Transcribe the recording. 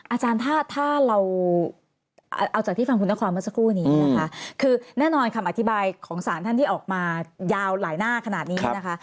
อาจารย์ถ้าถ้าเราเอาจากที่ฟังคุณนครเมื่อสักครู่นี้นะคะคือแน่นอนคำอธิบายของสารท่านที่ออกมายาวหลายหน้าขนาดนี้นะคะ